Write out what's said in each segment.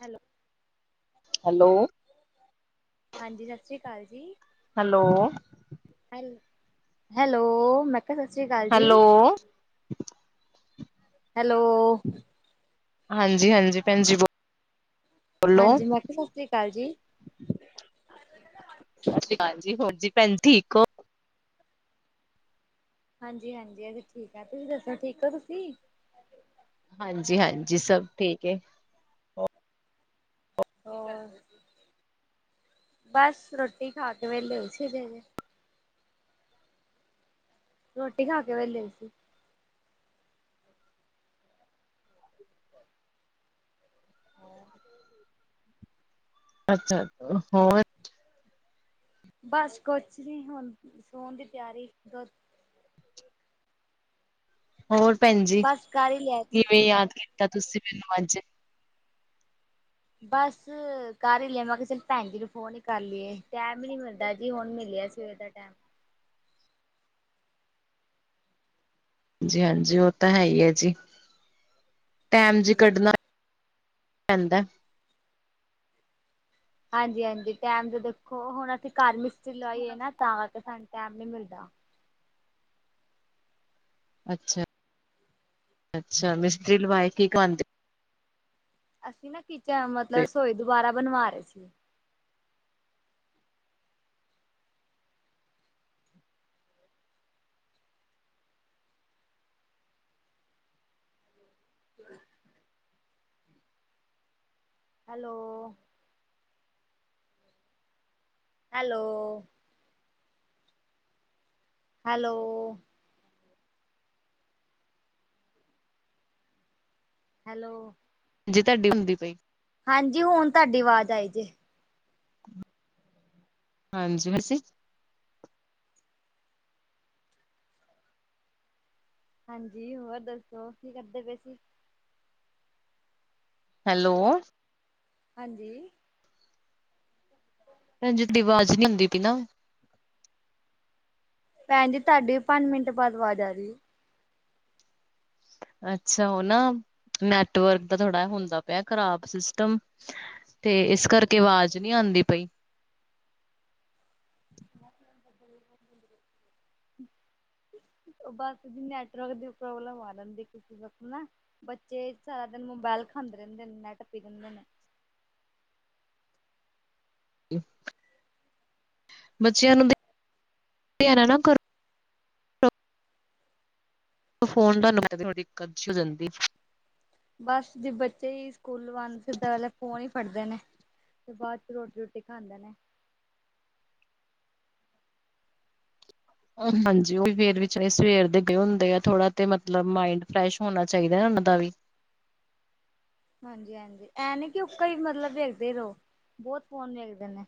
Hello. Hello. ਹਾਂਜੀ, ਸਤਿ ਸ੍ਰੀ ਅਕਾਲ ਜੀ। ਹੈਲੋ। ਹੈ, ਹੈਲੋ, ਮੈਂ ਕਿਹਾ ਸਤਿ ਸ਼੍ਰੀ ਅਕਾਲ ਜੀ। Hello hello. ਹਾਂਜੀ-ਹਾਂਜੀ, ਭੈਣਜੀ, ਬ ਹਾਂਜੀ, ਮੈਂ ਕਿਹਾ ਸਤਿ ਸ਼੍ਰੀ ਅਕਾਲ ਜੀ। ਸਤਿ ਸ਼੍ਰੀ ਅਕਾਲ ਜੀ, ਹੋਰ ਜੀ ਭੈਣ ਠੀਕ ਓ? ਹਾਂਜੀ-ਹਾਂਜੀ, ਅਸੀਂ ਠੀਕ ਆ, ਤੁਸੀਂ ਦੱਸੋ ਠੀਕ ਓ ਤੁਸੀਂ? ਹਾਂਜੀ-ਹਾਂਜੀ, ਸਭ ਠੀਕ ਏ। ਹੋਰ? ਬੱਸ ਰੋਟੀ ਖਾਕੇ ਵਿਹਲੇ ਹੋਏ ਸੀ ਅਜੇ। ਰੋਟੀ ਖਾਕੇ ਵਿਹਲੇ ਹੋਏ ਸੀ। [inaudible] ਅੱਛਾ, ਹੋਰ? ਬਸ ਕੁਛ ਨੀ ਹੁਣ, ਸੌਣ ਦੀ ਤਿਆਰੀ ਦੁੱਧ ਹੋਰ ਭੈਣ ਜੀ, ਬਸ ਕਰ ਹੀ ਲਿਆ ਤੂੰ ਕਿਵੇਂ ਯਾਦ ਕੀਤਾ ਤੁਸੀਂ ਮੈਨੂੰ ਅੱਜ? ਬਸ ਕਰ ਈ ਲਿਆ, ਮੈਂ ਕਿਹਾ ਚੱਲ ਭੈਣ ਜੀ ਨੂੰ ਫੋਨ ਈ ਕਰ ਲੀਏ। ਟੈਮ ਈ ਨੀ ਮਿਲਦਾ ਜੀ, ਹੁਣ ਮਿਲਿਆ ਸਵੇਰ ਦਾ ਟੈਮ। ਜੀ, ਹਾਂਜੀ, ਉਹ ਤਾ ਹੈਹੀ ਏ ਜੀ, ਟੈਮ ਜੀ ਹਾਂਜੀ ਕੱਢਣਾ ਪੈਂਦਾ। ਹਾਂਜੀ-ਹਾਂਜੀ, ਟਾਈਮ ਤਾ ਦੇਖੋ, ਹੁਣ ਅਸੀ ਘਰ ਮਿਸਤਰੀ ਲਵਾਈਏ ਨਾ, ਤਾਂ ਕਰਕੇ ਸਾਨੂੰ ਟੈਮ ਨੀ ਮਿਲਦਾ। ਅੱਛਾ, ਅੱਛਾ ਮਿਸਤਰੀ ਲਵਾਏ ਕੀ ਕਵਾਂ ਤੇ ਅਸੀਂ ਨਾ ਕਿਚਨ, ਮਤਲਬ ਪਏ ਰਸੋਈ ਦੁਬਾਰਾ ਬਣਵਾ ਰਹੇ ਸੀ। ਹੈਲੋ। ਹੈਲੋ। ਹੈਲੋ। ਹੈਲੋ। ਜੇ ਤੁਹਾਡੀ ਹੁੰਦੀ ਪਈ। ਹਾਂਜੀ, ਹੁਣ ਤੁਹਾਡੀ ਅਵਾਜ਼ ਆਈ ਜੇ। ਹਾਂਜੀ, ਅਸੀ ਹਾਂਜੀ, ਹੋਰ ਦੱਸੋ ਕੀ ਕਰਦੇ ਪਏ ਸੀ? ਹੈਲੋ। ਹਾਂਜੀ। ਭੈਣ ਜੀ, ਤੁਹਾਡੀ ਅਵਾਜ਼ ਨੀ ਆਂਦੀ ਪੀ ਨਾ। ਭੈਣ ਜੀ ਤੁਹਾਡੀ ਵੀ ਪੰਜ ਮਿੰਟ ਬਾਅਦ ਅਵਾਜ ਆ ਰਹੀ ਏ। ਅੱਛਾ ਉਹ ਨਾ, ਨੈਟਵਰਕ ਦਾ ਥੋੜਾ ਹੁੰਦਾ ਪਿਆ ਖਰਾਬ ਸਿਸਟਮ ਤੇ ਇਸ ਕਰਕੇ, ਅਵਾਜ਼ ਨਹੀ ਆਂਦੀ ਪਈ। [inaudible] ਬਸ ਨੈਟਵਰਕ ਦੀ ਪ੍ਰੋਬਲਮ ਆ ਜਾਂਦੀ, ਕਿਸੇ ਵਖ਼ਤ ਨਾ। ਬੱਚੇ ਸਾਰਾ ਦਿਨ ਮੋਬਾਇਲ ਖਾਂਦੇ ਰਹਿੰਦੇ ਨੇ, ਨੈੱਟ ਤੇ ਰਹਿੰਦੇ ਨੇ। [unintelligible] ਬੱਚਿਆਂ ਨੂੰ [inaudible] ਦਿਆ ਨਾ-ਨਾ ਕਰੋ। ਫੋਨ [unintelligible] ਦਿੱਕਤ ਜੀ ਹੋ ਜਾਂਦੀ। ਬਸ ਜੇ ਬੱਚੇ ਈ ਸਕੂਲੋ ਆਣ, ਸਿੱਧਾ ਆਲਾ ਫੋਨ ਈ ਫੜਦੇ ਨੇ। ਤੇ ਬਾਅਦ 'ਚ ਰੋਟੀ-ਰੁਟੀ ਖਾਂਦੇ ਨੇ। ਹਾਂਜੀ, ਉਹ ਵੀ ਫੇਰ ਵੀ ਸਵੇਰ ਦੇ ਗਏ ਹੁੰਦੇ ਆ, ਥੋੜਾ ਤੇ ਮਤਲਬ ਮਾਇੰਡ ਫਰੈਸ਼ ਹੋਣਾ ਚਾਹੀਦਾ ਨਾ ਉਹਨਾ ਦਾ ਵੀ। ਹਾਂਜੀ-ਹਾਂਜੀ, ਐ ਨੀ ਕਿ ਉੱਕਾ ਈ ਮਤਲਬ ਵੇਖਦੇ ਰਹੋ, ਬਹੁਤ ਫੋਨ ਵੇਖਦੇ ਨੇ।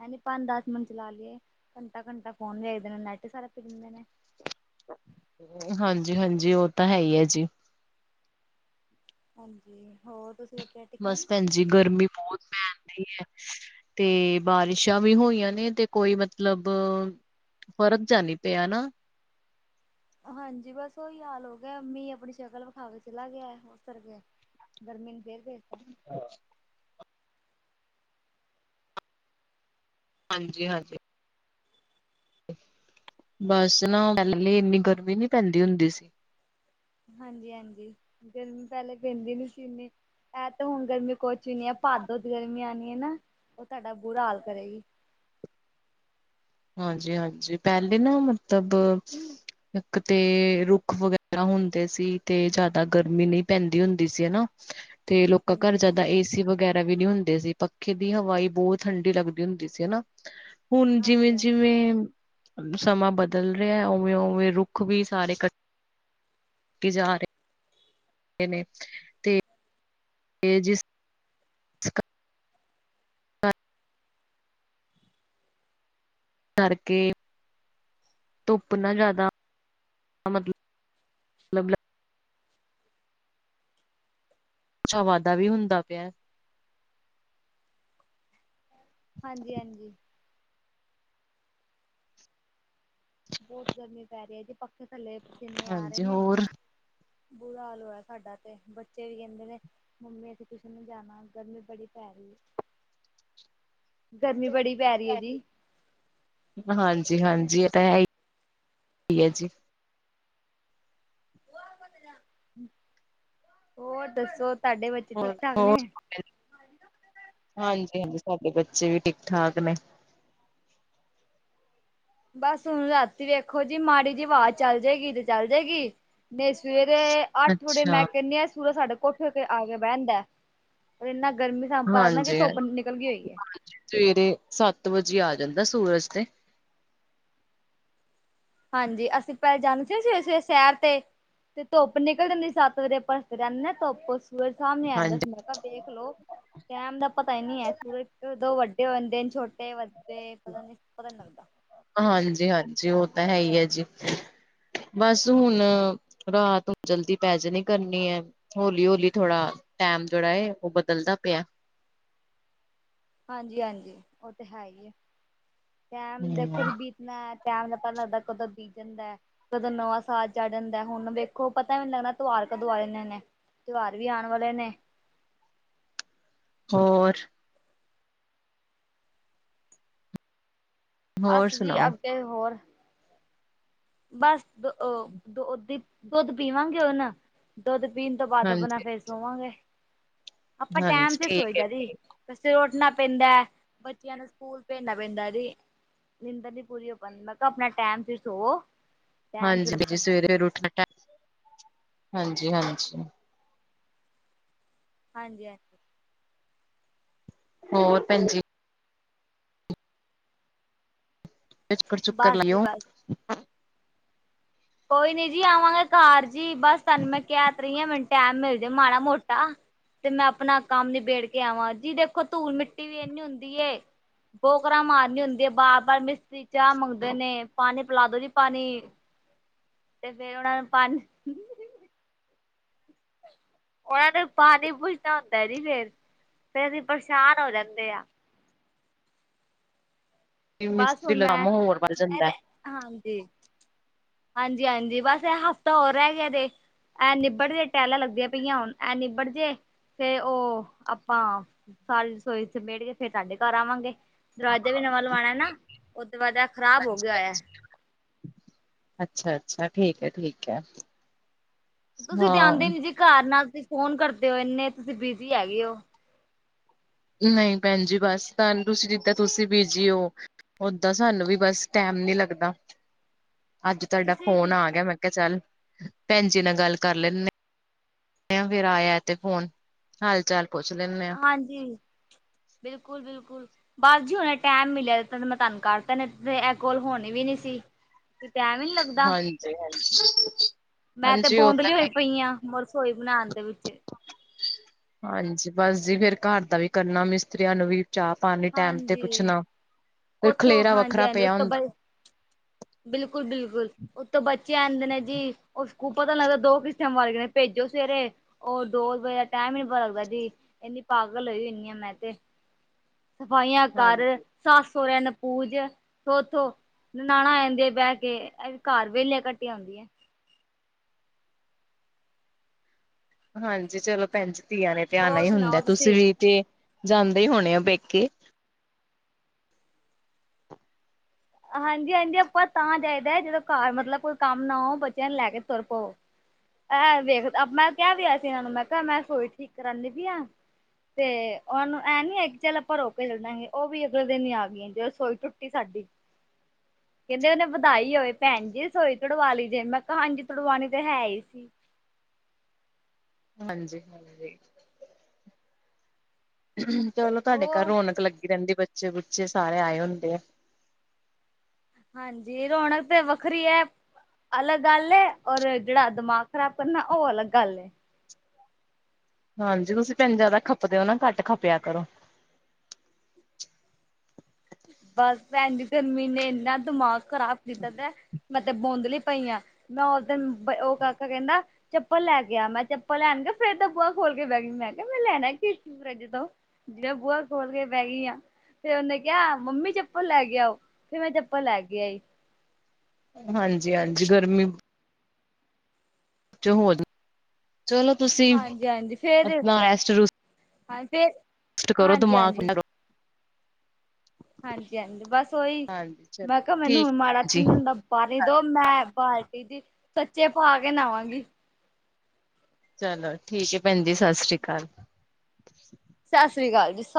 ਹੈਨੀ ਪੰਜ-ਦੱਸ ਮਿੰਟ ਚਲਾ ਲਈਏ, ਘੰਟਾ-ਘੰਟਾ ਫੋਨ ਵੇਖਦੇ ਨੇ, ਨੈੱਟ ਈ ਸਾਰਾ ਪੀ ਜਾਂਦੇ ਨੇ। ਹਾਂਜੀ -ਹਾਂਜੀ ਉਹ ਤਾਂ ਹੈ ਹੀ ਹੈ ਜੀ। ਹਾਂਜੀ ਹੋਰ ਤੁਸੀਂ ਉੱਠੇ ਬਸ ਭੈਣ ਜੀ ਗਰਮੀ ਬੋਤ ਪੈਣ ਡਹੀ ਏ। ਤੇ ਬਾਰਿਸ਼ਾਂ ਵੀ ਹੋਈਆਂ ਨੇ ਤੇ ਕੋਈ ਮਤਲਬ ਫਰਕ ਜਿਆ ਨੀ ਪਿਆ ਨਾ। ਹਾਂਜੀ ਬਸ ਓਹੀ ਹਾਲ ਹੋ ਗਿਆ ਮੀਂਹ ਆਪਣੀ ਸ਼ਕਲ ਵਿਖਾ ਕੇ ਚਲਾ ਗਿਆ ਏ। ਗਰਮੀ ਨੂੰ ਫੇਰ ਭੇਜ ਤਾ ਹਾਂ। ਹਾਂਜੀ -ਹਾਂਜੀ। ਬਸ ਨਾ, ਪਹਿਲੇ ਇੰਨੀ ਗਰਮੀ ਨੀ ਪੈਂਦੀ ਹੁੰਦੀ ਸੀ। ਹਾਂਜੀ -ਹਾਂਜੀ, ਗਰਮੀ ਪਹਿਲੇ ਪੈਂਦੀ ਨੀ ਸੀ ਇਨੀਂ। ਇਹ ਤੇ ਹੁਣ ਗਰਮੀ ਕੁਛ ਵੀ ਨੀ, ਐ ਭਾਦੋਂ ਦੀ ਗਰਮੀ ਆਂਣੀ ਐ ਨਾ, ਉਹ ਤੁਹਾਡਾ ਬੁਰਾ ਹਾਲ ਕਰੇਗੀ। ਹਾਂਜੀ -ਹਾਂਜੀ, ਪਹਿਲੇ ਨਾ ਮਤਬ- ਇੱਕ ਤੇ ਰੁੱਖ ਵਗੈਰਾ ਹੁੰਦੇ ਸੀ, ਤੇ ਜਿਆਦਾ ਗਰਮੀ ਨੀ ਪੈਂਦੀ ਹੁੰਦੀ ਸੀ ਹਨਾ। [inaudible] ਤੇ, ਲੋਕਾਂ ਹਾਂਜੀ ਘਰ ਹਾਂਜੀ ਜਾਦਾ ਏ ਸੀ ਏ ਸੀ ਵਗੈਰਾ ਵੀ ਨੀ ਹੁੰਦੇ ਸੀ, ਪੱਖੇ ਦੀ ਹਵਾ ਈ ਬੋਤ ਠੰਢੀ ਲੱਗਦੀ ਹੁੰਦੀ ਸੀ ਹਨਾ। ਹੁਣ ਜਿਵੇਂ- ਹਾਂਜੀ ਹਾਂਜੀ ਜਿਵੇਂ ਸਮਾਂ ਬਦਲ ਰਿਹਾ, ਉਵੇਂ -ਉਵੇਂ ਰੁੱਖ ਵੀ ਸਾਰੇ ਕ ਕੱਟੀ ਜਾ ਰਹੇ। ਹੇ ਨੇ। ਕੇ ਜਿਸ। ਹਾਂ। ਕਰਕੇ ਧੁੱਪ ਨਾ ਜ਼ਿਆਦਾ, ਮਤਲਬ। ਅੱਛਾ, ਵਾਧਾ ਵੀ ਹੁੰਦਾ ਪਿਆ। ਹਾਂਜੀ- ਹਾਂਜੀ। ਬੋਤ ਗਰਮੀ ਪੈ ਰਹੀ ਐ ਜੀ, ਪੱਖੇ ਥੱਲੇ ਪਸੀਨੇ ਆ ਰਹੇ ਹਾਂਜੀ ਨੇ। ਹੋਰ ਬੁਰਾ ਹਾਲ ਹੋਇਆ ਸਾਡਾ ਤੇ, ਬੱਚੇ ਵੀ ਕਹਿੰਦੇ ਨੇ। ਮੰਮੀ ਅਸੀੇ ਟੂਸ਼ਨ ਨੀ ਜਾਣਾ, ਗਰਮੀ ਬੜੀ ਪੈ ਰਹੀ। ਗਰਮੀ ਬੜੀ ਪੈ, ਰਹੀ ਐ ਜੀ। ਹਾਂਜੀ- ਹਾਂਜੀ, ਇਹ ਤਾਂ ਹੈ ਈ, ਹੈ ਜੀ। ਹੋਰ ਦੱਸੋ? ਤੁਹਾਡੇ ਬੱਚੇ ਹੋਰ ਠੀਕ- ਠਾਕ ਨੇ? ਹਾਂਜੀ -ਹਾਂਜੀ, ਸਾਡੇ ਬੱਚੇ ਵੀ ਠੀਕ -ਠਾਕ ਨੇ। ਬਸ ਹੁਣ ਰਾਤੀ ਵੇਖੋ ਜੀ, ਮਾੜੀ ਜੀ ਹਵਾ ਚੱਲ ਜੇ ਗੀ, ਤੇ ਚੱਲ ਜੇ ਗੀ। ਨਹੀ, ਸਵੇਰੇ ਅੱਠ ਵਡੇ ਅੱਛਾ। ਮੈਂ ਕਹਿੰਨੀ ਆ, ਸੂਰਜ ਸਾਡੇ ਕੋਠ ਕੇ ਆ ਕੇ ਬਹਿ ਦਾਂ ਏ। ਪਰ ਇੰਨਾ ਗਰਮੀ ਸਾਂ ਪਾਨਾ ਜੀ, ਹਾਂਜੀ-ਹਾਂਜੀ ਧੁੱਪ ਨਿਕਲ ਗਈ ਹੋਈ ਐ। ਸਵੇਰੇ ਸੱਤ ਵਜੇ ਆ, ਜਾਂਦਾ ਸੂਰਜ ਤੇ। ਹਾਂਜੀ, ਅਸੀ ਪਹਿਲੇ ਜਾਂਦੇ ਸੀ, ਸਵੇਰੇ -ਸਵੇਰੇ ਸ਼ਹਿਰ ਤੇ। ਤੇ ਧੁੱਪ ਨਿਕਲ ਜਾਂਦੀ ਸੱਤ ਵਜੇ, ਆਪਾਂ ਜਾਨੇ ਧੁੱਪ ਸੂਰਜ ਸਾਹਮਣੇ ਆ ਜਾਂਦਾ ਹਾਂਜੀ। ਸੀ। ਤਾਂ ਵੇਖ ਲੋ ਟਾਈਮ ਦਾ ਪਤਾ ਨੀ ਐ, ਸੂਰਜ ਕਦੋ ਵੱਡੇ ਹੋ ਜਾਂਦੇ ਦਿਨ ਛੋਟੇ ਵ ਡੇ ਪਤਾ ਨੀ, ਪਤਾ ਨੀ ਲੱਗਦਾ। ਹਾਂਜੀ -ਹਾਂਜੀ, ਉਹ ਤਾਂ ਹੈ ਹੀ, ਹੈ ਜੀ। ਬਸ, ਹੁਣ ਰਾਤ ਜਲਦੀ ਪੈ ਜਾਣੀ ਕਰਨੀ ਐ। ਹੌਲੀ- ਹੌਲੀ, ਥੋੜਾ ਟੈਮ ਜਿਹੜਾ ਐ, ਉਹ ਬਦਲਦਾ ਪਿਆ। ਹਾਂਜੀ -ਹਾਂਜੀ, ਉਹ ਤਾਂ ਹੈ ਹੀ ਹੈ, ਟਾਈਮ ਦੇਖੋ ਜੀ ਬੀ- ਤਨਾ ਏ ਟੈਮ ਦਾ ਪਹਿਲਾ ਦੇਖੋ ਕਦੋ ਬੀਤ ਜਾਂਦਾ ਐ। ਜਦੋ ਨਵਾਂ ਸਾਲ ਚੜ੍ਹ ਜਾਂਦੈ, ਹੁਨ ਵੇਖੋ ਪਤਾ ਵੀ ਨੀ ਲੱਗਣਾ ਤੁਆਰ ਕਦੋ ਆ ਜਾਨੇ ਨੇ। ਤਿਉਹਾਰ ਵੀ ਆਣ ਵਾਲੇ ਨੇ। ਹੋਰ। ਬਸ ਜੀ, ਸੁਣਾਓ ਅੱਗੇ ਹੋਰ। ਬਸ ਦ ਓ ਦੋ ਦੀ ਦੁੱਧ ਪੀਵਾਂਗੇ ਹੁਨ। ਦੁੱਧ ਪੀਣ ਤੋਂ ਬਾਦ ਅਪਨਾ ਫੇਰ ਸੌਵਾਂਗੇ, ਆਪਾਂ ਟੈਮ ਹਾਂਜੀ-ਹਾਂਜੀ ਤੇ ਸੌਈ ਠੀਕ ਹੈ ਦਾ ਜੀ। ਠੀਕ। ਸਵੇਰੇ ਉੱਠਨਾ ਪੈਂਦਾ ਐ, ਬੱਚਿਆਂ ਨੂੰ ਸਕੂਲ ਭੇਜਣਾ ਪੈਂਦਾ ਜੀ। ਨਿੰਦਰ ਨੀ ਪੂਰੀ ਹੋ ਪਾਂਦੀ, ਮੈਂ ਕੈ ਅਪਣਾ ਟੈਮ ਸਿਰ ਸੌਂਵੋ। ਹਾਂਜੀ ਸਵੇਰੇ ਉੱਠਨਾ ਟੈਮ ਹਾਂਜੀ-ਹਾਂਜੀ। ਹਾਂਜੀ -ਹਾਂਜੀ। ਹੋਰ ਭੈਣਜੀ ਚੱਕਰ ਚੁੱਕਰ ਬਸ ਜੀ ਲਾਇਓ ਬਸ ਕੋਈ ਨੀ ਜੀ ਆਵਾਂਗੇ ਕਘਾਰ ਜੀ ਬਸ ਤਾਨੂੰ ਮੈਂ ਕੈ ਤੇ ਰਈਆਂ ਮਿਨ ਟੈਮ ਮਿਲ ਜੇ ਮਾੜਾ ਮੋਟਾ। ਤੇ ਮੈਂ ਅਪਣਾ ਕੰਮ ਨਿਬੇੜ ਕੇ ਆਵਾਂ ਜੀ ਦੇਖੋਂ ਧੂਲ ਮਿੱਟੀ ਵੀ ਏਨੀ ਹੁੰਦੀ ਏ ਬੋਕਰਾਂ ਮਾਰਨੀ ਹੁੰਦੀ ਏ ਬਾਰ ਬਾਰ ਮਿਸਤਰੀ ਚਾ ਮੰਗਦੇ ਨੇ ਪਾਨੀ ਪਿਲਾ ਦੋ ਜੀ ਪਾਨੀ ਤੇ ਫ਼ੇਰ ਓਨਾ ਨੂੰ ਪਾਣੀ ਓਨਾਂ ਨੂੰ ਪਾਨੀ ਪੁਛਨਾ ਹੁੰਦਾ ਏਜੀ ਫ਼ੇਰ ਅਸੀ ਪਰੇਸ਼ਾਨ ਹੋ ਜਾਂਦੇ ਆ। ਬਸ ਮਿਸਤਰੀ ਹੁਨ‌ ਦਾ ਮੈਂ ਕੰਮ ਹੋਰ ਵੱਧ ਅਰੇ ਜਾਂਦਾ। ਹਾਂਜੀ ਹਾਂਜੀ ਹਾਂਜੀ, ਬਸ ਐ ਹਫ਼ਤਾ ਹੋਰ ਰੈ ਗੇਆ ਜੇ। ਐ ਨਿਬੜ ਜੇ ਟੈਲਾਂ ਲੱਗਦੀਆਂ ਪਈਆਂ ਹੁਨ। ਐ ਨਿਬੜ ਜੇ ਤੇ ਓ ਆਪਾਂ ਸਾਰੀ ਰਸੋਈ ਸਮੇਟ ਕੇ ਫ਼ੇਰ ਤਾਡੇ ਘਰ ਆਵਾਂਗੇ। ਦਰਵਾਜਾ ਵੀ ਨਵਾਂ ਲਵਾਣਾ ਐਨਾ ਓਤੋਂ ਬਾਦ, ਐ ਖ਼ਰਾਬ ਹੋ ਗੇਆ ਹੋਏਐ। ਅੱਛਾ ਅੱਛਾ ਠੀਕ ਐ ਠੀਕ ਐ। ਤੁਸੀ ਤੇ ਆਂਦੇ ਨੀ ਜੀ ਘਰ ਨਾ ਤੁਸੀ ਫ਼ੋਨ ਕਰਦੇ ਓ। ਏਨੇ ਤੁਸੀ ਬਿਜ਼ੀ ਹੈਗੇ ਓ। ਨਹੂ ਭੈਣ ਜੀ ਬਸ ਤਨ ਤੁਸੀਂ ਜਿੱਦਾਂ ਤੁਸੀ ਬੀਜੀ ਓ। ਓਦਾਂ ਸਾਨੂੰ ਵੀ ਬਸ ਟੈਮ ਨੀ ਲੱਗਦਾ ਅੱਜ ਤਾਡਾ ਫ਼ੋਨ ਤੁਸੀਂ ਗੇਆ ਮੈਂ ਕੇਆ ਚੱਲ ਭੈਣ ਜੀ ਨਾਲ਼ ਗੱਲ ਕਰ ਲੈ ਨੇਤਾ। ਫ਼ੇਰ ਆਏਆ ਤੇ ਫ਼ੋਨ ਹਾਲ ਚਾਲ ਪੁੱਛ ਲੇਨੇ ਆਂ। ਹਾਂਜੀ ਬਿਲਕੁਲ ਬਿਲਕੁਲ। ਬਸ ਜੀ ਹੁਣੇ ਟੈਮ ਮਿਲੇਆ ਤੇ ਮੈਂ ਤਾਨੂੰ ਕਰਤਾ ਨੇ ਤੇ ਐ ਕੋਲ ਹੋਣੀ ਵੀ ਨੀ ਸੀ। ਟੈਮ ਈ ਨੀ ਲੱਗ ਹਾਂਜੀ ਹਾਂਜੀ। ਮੈ ਤੇ ਉਹ ਤਾਂ ਬੋਂਦਲੀ ਹੋਈ ਹੈ ਪਈ ਆਂ ਰਸੋਈ ਬਨਾਣ ਦੇ ਵਿੱਚ ਹਾਂਜੀ ਬਸ ਜੀ ਫ਼ੇਰ ਘਰ ਦਾ ਵੀ ਕਰਨਾ ਮਿਸਤਰੀਆਂ ਨੂੰ ਵੀ ਚਾ ਪਾਨੀ ਟੈਮ ਤੇ ਹਾਂਜੀ ਪੁੱਛਨਾ ਫੇ ਉੱਥੋਂ ਖਲੇਰਾ ਹਾਂਜੀ ਵੱਖਰਾ ਹਾਂਜੀ ਪੇਆ ਉਤੋਂ ਬ ਹੁੰਦੈ। ਬਿਲਕੁਲ ਬਿਲਕੁਲ ਉਤੋਂ ਬੱਚੇ ਆਂਦੇ ਨੇ ਜੀ ਉਸ ਓ ਪਤਾ ਨੀ ਲੱਗਦਾ ਦੋ ਕਿਸ ਟੈਮ ਵਰ ਗਏ ਨੇ ਭੇਜੋ ਸਵੇਰੇ ਓ ਦੋ ਵਜੇ ਦਾ ਟੈਮ ਈ ਨੀ ਪਤਾ ਲੱਗਦਾ ਜੀ। ਏਨੀ ਪਾਗਲ ਹੋਈ ਹੋਨੀ ਆਂ ਮੈਂ ਤੇ। ਸਫ਼ਾਈਆਂ ਕਰ, ਹਾਂਜੀ। ਸੱਸ ਸੋਰੇਆਂ ਨੂੰ ਪੂਜ ਥੋਥੋ ਨਨਾਣਾ ਆ ਜਾਂਦੀਆਂ ਏ ਬੈ ਕੇ ਐਵੀ ਘਰ ਵੇਲੇ ਕਟੀਆਂ ਹੁੰਦੀਐਂ। ਹਾਂਜੀ ਚਲੋ ਭੈਣਜੀ ਧੀਆਂ ਨੇ ਤੇ ਆਣਾ ਹੋਰ ਈ ਹੁੰਦਾ ਐ। ਸੁਣਾਓ ਤੁਸੀ ਤੁਸੀਂ ਵੀ ਤੇ ਜਾਂਦੇ ਹਨ ਹੋਣੇ ਓ ਪੇਕੇ। ਹਾਂਜੀ ਹਾਂਜੀ ਆਪਾਂ ਤਾਂ ਜਾਈਦੈ ਜਦੋਂ ਘਰ ਮਤਲਬ ਕੋਈ ਕੰਮ ਨਾ ਹੋਏ ਬੱਚੇਆਂ ਨੂੰ ਲੈ ਕੇ ਤੁਰ ਪਵੋ। ਐਂ ਵੇਖ ਮੈਂ ਕੇਆ ਵਿ ਹੋਆ ਸੀ ਏਨਾਂ ਨੂੰ ਮੈਂ ਕੈ ਮੈਂ ਰਸੋਈ ਠੀਕ ਕਰਾਂਨੀ ਪੀ ਆਂ ਤੇ ਓਨਾਂ ਨੂੰ ਐ ਨੀ ਹੈ ਕਿ ਚੱਲ ਆਪਾਂ ਰੋਕੇ ਚੱਲੇ ਜਾਂਗੇ ਓ ਵੀ ਅਗਲੇ ਦਿਨ ਈ ਆ ਗੀਆਂ। ਜਦੋਂ ਰਸੋਈ ਟੁੱਟੀ ਸਾਡੀ। ਕੈਂਦੇ ਉਹਨੇ ਵਧਾਈ ਹੋਵੇ, ਭੈਣ ਜੀ ਰਸੋਈ ਤੋੜਵਾਂ ਲਈ ਜੇ, ਮੈਂ ਕਿਹਾ ਹਾਂਜੀ ਤੜਵਾਣੀ ਤਾਂ ਹੈ ਹੀ ਸੀ ਹਾਂਜੀ -ਹਾਂਜੀ, ਚਲੋ ਤਾਡੇ ਘਰ ਹੋਰ ਰੌਣਕ ਲੱਗੀ ਲੱਗੀ ਰਹਿੰਦੀ ਬੱਚੇ- ਬੁੱਚੇ ਸਾਰੇ ਆਏ ਹੁੰਦੇ ਹਾਂਜੀ, ਰੌਣਕ ਤੇ ਵੱਖਰੀ ਐ ਅਲੱਗ ਗੱਲ ਏ, ਔਰ ਜੇੜਾ ਦਿਮਾਗ ਖ਼ਰਾਬ ਕਰਨਾ ਉਹ ਅਲੱਗ ਗੱਲ ਏ ਹਾਂਜੀ, ਤੁਸੀਂ ਭੈਣਜੀ ਜ਼ਾਦਾ ਖੱਪਦੇ ਓ ਨਾ, ਘੱਟ ਖੱਪਿਆਂ ਕਰੋ। ਬਸ ਭੈਣ ਜੀ ਗਰਮੀ ਨੇ ਇੰਨਾ ਦਿਮਾਗ ਖ਼ਰਾਬ ਕੀਤਾ ਤੇ, ਮੈਂ ਤੇ ਬੌਂਦਲੀ ਪਈ ਆਂ ਮੈਂ ਉਹ ਦਿਨ, ਓ ਕਾਕਾ ਕਹਿੰਦਾ ਚੱਪਲ ਲੈ ਕੇ ਆ, ਮੈਂ ਚੱਪਲ ਲੈਣ ਗਈ, ਫੇਰ ਬੂਹਾ ਖੋਲ ਕੇ ਬਹਿ ਗਈ ਮੈਂ ਕਿਹਾ ਲੈਣਾ ਕੀ ਸੀ ਫਰਿੱਜ ਤੋਂ ਜਿਵੇਂ ਬੂਹਾ ਖੋਲ ਕੇ ਬਹਿ ਗਈ ਆ, ਫੇਰ ਉਹਨੇ ਕਿਆ, ਮੰਮੀ ਚੱਪਲ ਲੈ ਕੇ ਆਓ, ਫੇਰ ਮੈਂ ਚੱਪਲ ਲੈ ਕੇ ਆਈ ਹਾਂਜੀ- ਹਾਂਜੀ, ਗਰਮੀ ਚੋਂ ਹੋ, ਚਲੋ ਤੁਸੀਂ, ਹਾਂਜੀ ਹਾਂਜੀ ਫੇਰ ਆਪਣਾ ਰੈਸਟ- ਰੂਸਟ ਹਾਂ ਫਿਰ ਰੈਸਟ ਕਰੋ, ਦਮਾਕ ਏਨਾਂ ਹਾਂਜੀ- ਹਾਂਜੀ, ਬਸ ਓਈ, ਹਾਂਜੀ ਚਲੋ ਮੈਂ ਕਿਆ ਮੈਨੂੰ ਠੀਕ ਮਾੜਾ ਭੈਣ ਜੀ ਥੰਅਡ-ਦਾ ਪਾਰੀ ਦੋ ਮੈਂ ਬਾਲਟੀ ਦੀ, ਸੱਚੇ ਪਾ ਕੇ ਨਾਵਾਂਗੀ। ਚਲੋ, ਠੀਕ ਐ ਭੈਣ ਜੀ ਸਸਰੀਕਾਲ। ਸਸਰੀਕਾਲ ਜੀ, ਸਾ